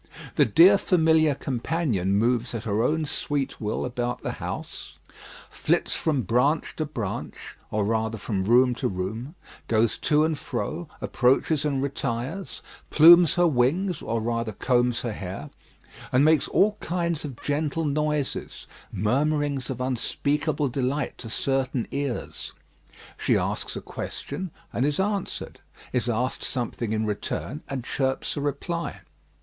The dear familiar companion moves at her own sweet will about the house; flits from branch to branch, or rather from room to room; goes to and fro; approaches and retires; plumes her wings, or rather combs her hair, and makes all kinds of gentle noises murmurings of unspeakable delight to certain ears. She asks a question, and is answered; is asked something in return, and chirps a reply.